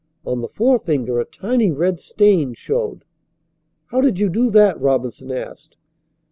On the forefinger a tiny red stain showed. "How did you do that?" Robinson asked.